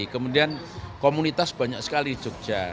kemudian komunitas banyak sekali di jogja